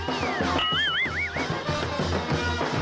จากภารกิจเดียว